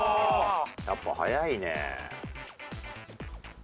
やっぱ速いね。